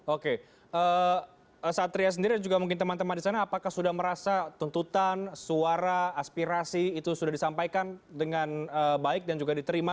oke satria sendiri dan juga mungkin teman teman di sana apakah sudah merasa tuntutan suara aspirasi itu sudah disampaikan dengan baik dan juga diterima